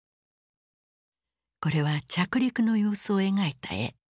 これは着陸の様子を描いた絵。